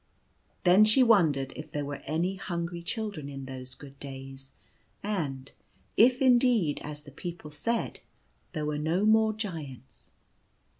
Then she wondered if there were any hungry children in those good days, and if, indeed, as the people said, there were no more Giants.